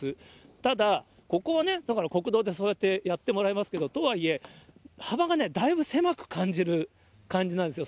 ただ、ここは国道でそうやってやってもらえますけど、とはいえ、幅がね、だいぶ狭く感じる感じなんですよ。